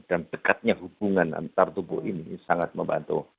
dan dekatnya hubungan antar tubuh ini sangat membantu